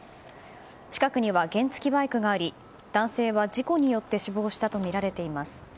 近くには原付きバイクがあり男性は事故によって死亡したとみられています。